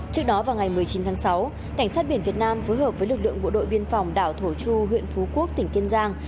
trước đó vào ngày một mươi chín tháng sáu cảnh sát biển việt nam phối hợp với lực lượng bộ đội biên phòng đảo thổ chu huyện phú quốc tỉnh kiên giang